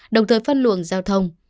đồng thời phân luồng giao thông